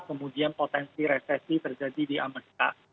kemudian potensi resesi terjadi di amerika